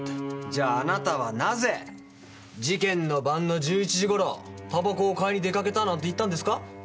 じゃあなたはなぜ事件の晩の１１時頃タバコを買いに出かけたなんて言ったんですか？